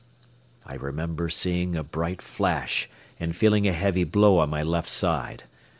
I remember seeing a bright flash and feeling a heavy blow on my left side.